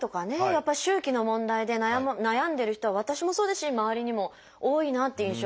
やっぱり周期の問題で悩んでる人は私もそうですし周りにも多いなっていう印象はありますね。